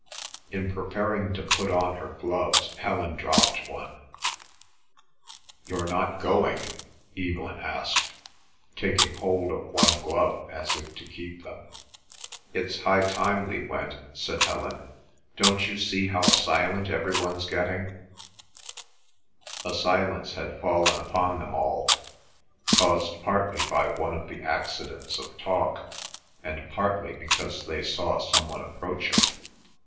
In preparing to put on her gloves, Helen dropped one. "You're not going?" Evelyn asked, taking hold of one glove as if to keep them. "It's high time we went," said Helen. "Don't you see how silent every one's getting—?" A silence had fallen upon them all, caused partly by one of the accidents of talk, and partly because they saw some one approaching.